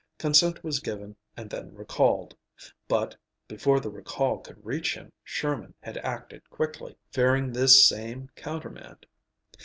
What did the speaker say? Consent was given and then recalled, but, before the recall could reach him Sherman had acted quickly, fearing this same countermand.